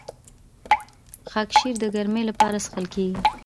خاکشیر د ګرمۍ لپاره څښل کیږي.